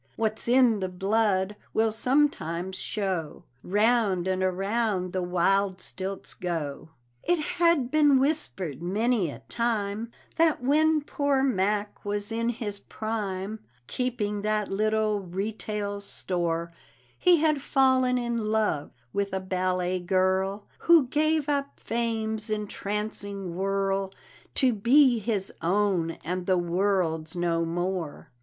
"What's in the blood will sometimes show " 'Round and around the wild stilts go. It had been whispered many a time That when poor Mack was in his prime Keeping that little retail store, He had fallen in love with a ballet girl, Who gave up fame's entrancing whirl To be his own, and the world's no more.